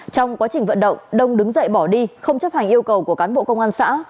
trong quá trình vận động đông đứng dậy bỏ đi không chấp hành yêu cầu của cán bộ công an xã